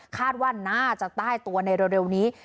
คาดว่าน่าจะใต้ตัวในเร็วนี้